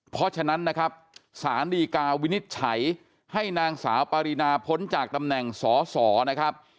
เพราะฉะนั้นนะครับสารดีกาวินิจฉัยให้นางสาวปารีนาพ้นจากตำแหน่งสอสอนะครับ